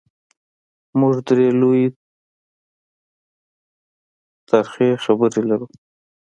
موږ درې لویې ترخې خبرې لرو: